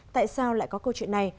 tại sao lại có câu chuyện này